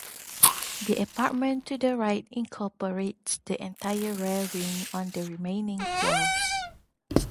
The apartment to the right incorporates the entire rear wing on the remaining floors.